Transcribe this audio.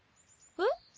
えっ？